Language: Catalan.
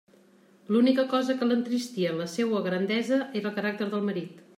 L'única cosa que l'entristia en la seua grandesa era el caràcter del marit.